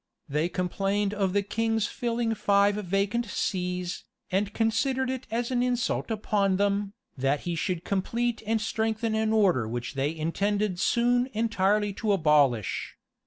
[*] They complained of the king's filling five vacant sees, and considered it as an insult upon them, that he should complete and strengthen an order which they intended soon entirely to abolish.